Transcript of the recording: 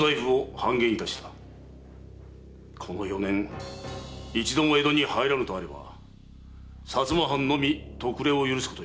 〔この四年一度も江戸に入らぬとあれば薩摩藩のみ特例を許すことになる〕